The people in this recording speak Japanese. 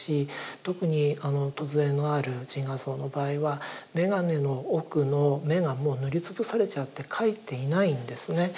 特にあの「梢のある自画像」の場合は眼鏡の奥の眼が塗りつぶされちゃって描いていないんですね。